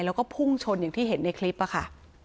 แล้วก็พุ่งชนอย่างที่เห็นในคลิปค่ะ